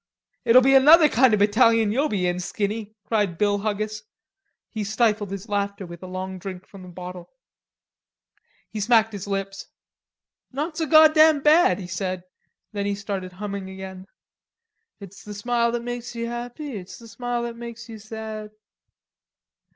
"It'll be another kind of a battalion you'll be in, Skinny," cried Bill Huggis. He stifled his laughter with a long drink from the bottle. He smacked his lips. "Not so goddam bad," he said. Then he started humming again: "It's the smile that makes you happy, It's the smile that makes you sad."